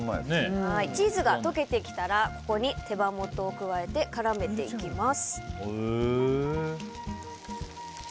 チーズが溶けてきたらここに手羽元を加えて絡めていきます。